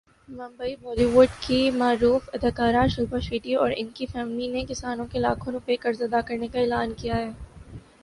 Mumbai Bollywood کی معروف اداکارہ شلپا شیٹھی اور اُن کی فیملی نے کسانوں کے لاکھوں روپے قرض ادا کرنے کا اعلان کیا ہے